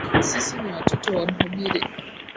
Sisi ni watoto wa mhubiri.